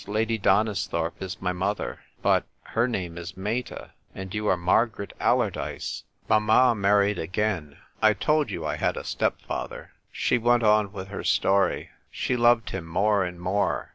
Lady Donisthorpe is my mother." "But — her name is Meta ; and you are Margaret Allardyce ?"" Mamma married again ; I told you I had a stepfather." She went on with her story. She loved him more and more.